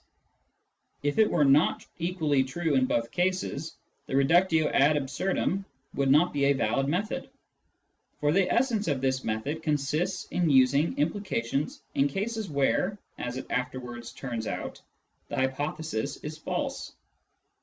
If it were not equally true in both, cases, the reductio ad absurdum would not be a valid method ; for .the essence of this method consists in using implications in cases where (as it afterwards turns out) the hypothesis is false.